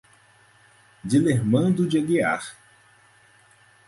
Dilermando de Aguiar